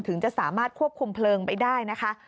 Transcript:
ถึงจะสามารถควบคุมเพลิงไปได้นะคะ